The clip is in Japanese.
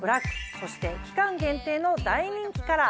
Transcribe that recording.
そして期間限定の大人気カラー